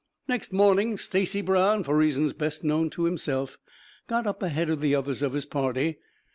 Next morning, Stacy Brown, for reasons best known to himself, got up ahead of the others of his party.